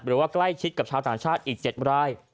หรือว่าใกล้ชิดกับชาวต่างชาติอีก๗ราย